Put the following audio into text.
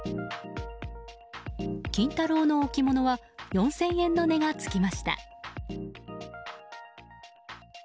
金太郎の置物は４０００円の値が付きました。